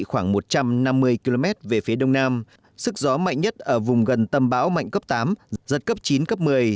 khoảng một trăm năm mươi km về phía đông nam sức gió mạnh nhất ở vùng gần tâm bão mạnh cấp tám giật cấp chín cấp một mươi